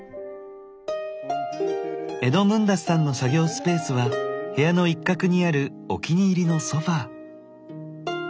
エドムンダスさんの作業スペースは部屋の一角にあるお気に入りのソファー。